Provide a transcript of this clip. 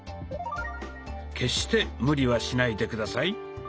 決して無理はしないで下さい。